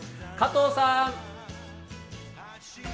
加藤さん！